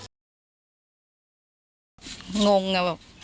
โว้ยยยยยย